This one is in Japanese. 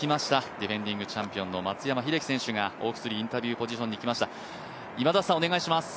ディフェンディングチャンピオンの松山英樹選手がオークツリー、インタビューポジションに来ました。